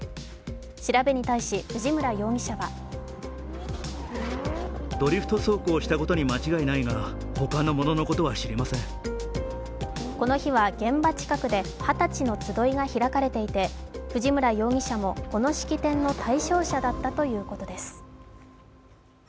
調べに対し藤村容疑者はこの日は現場近くで二十歳の集いが開かれていて藤村容疑者もこの式典の対象者だったということです。